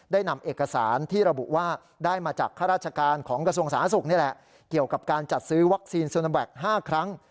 ได้นำเอกสารที่ระบุว่าได้มาจากข้าราชการของกระทรวงสาธารณสุขนี่แหละเกี่ยวกับการจัดซื้อวัคซีนโซโนแวค๕ครั้ง